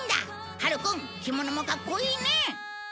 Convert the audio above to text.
晴くん着物もかっこいいね